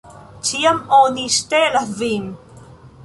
Ĉiam oni ŝtelas vin!